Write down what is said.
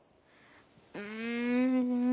うん。